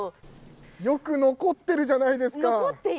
よく残っているじゃないですか。